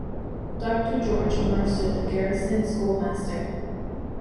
Doctor George Mercer, the Garrison schoolmaster.